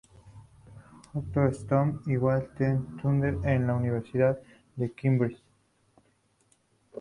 H. Stone y W. T. Tutte en la Universidad de Cambridge.